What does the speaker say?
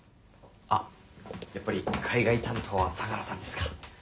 あやっぱり海外担当は相楽さんですか？